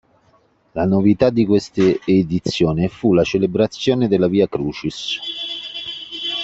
La novità di questa edizione fu la celebrazione della Via Crucis.